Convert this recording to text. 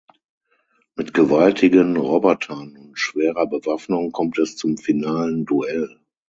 Mit gewaltigen Robotern und schwerer Bewaffnung kommt es zum finalen Duell.